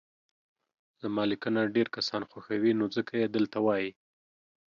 زما ليکنه ډير کسان خوښوي نو ځکه يي دلته وايي